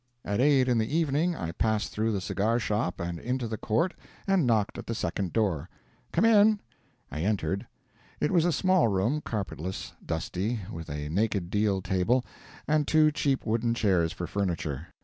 At eight in the evening I passed through the cigar shop and into the court and knocked at the second door. "Come in!" I entered. It was a small room, carpetless, dusty, with a naked deal table, and two cheap wooden chairs for furniture.